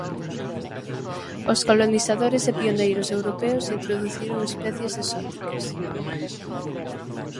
Os colonizadores e pioneiros europeos introduciron especies exóticas.